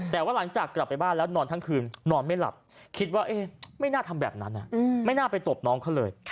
แต่ว่าหลังจากกลับไปบ้านแล้วนอนทั้งคืนนอนไม่หลับคิดว่าไม่น่าทำแบบนั้นไม่น่าไปตบน้องเขาเลย